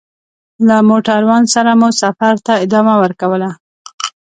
له موټروان سره مو سفر ته ادامه ورکوله.